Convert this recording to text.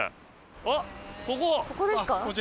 あっここ？